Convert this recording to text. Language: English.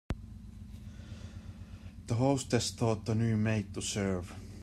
The hostess taught the new maid to serve.